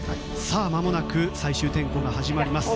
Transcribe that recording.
まもなく最終点呼が始まります。